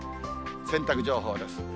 洗濯情報です。